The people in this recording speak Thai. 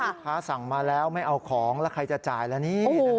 สั่งมาแล้วไม่เอาของแล้วใครจะจ่ายแล้วนี่